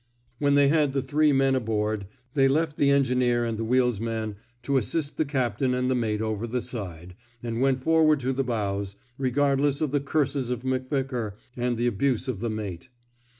'' When they had the three firemen aboard, they left the engineer and the wheelsman to assist the captain and the mate over the side, and went forward to the bows, re gardless of the curses of McVickar and the abuse of the mate.